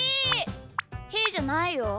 ひーじゃないよ。